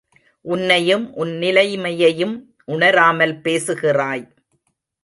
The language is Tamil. உன்னையும் உன் நிலைமையையும் உணராமல் பேசுகிறாய்.